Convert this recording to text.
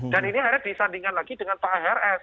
dan ini akhirnya disandingkan lagi dengan pak hrs